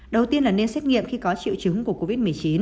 đầu tiên là nên xét nghiệm khi có triệu chứng của covid một mươi chín